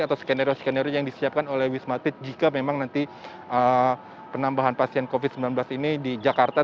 atau skenario skenario yang disiapkan oleh wisma atlet jika memang nanti penambahan pasien covid sembilan belas ini di jakarta